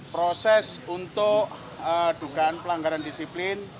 proses untuk dugaan pelanggaran disiplin